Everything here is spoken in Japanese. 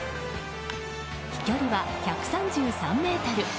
飛距離は１３３ｍ。